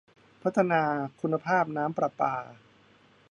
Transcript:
พัฒนาคุณภาพน้ำประปา